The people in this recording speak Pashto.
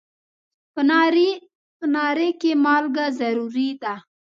په ناري کې مالګه ضروري ده.